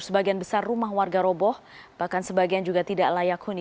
sebagian besar rumah warga roboh bahkan sebagian juga tidak layak huni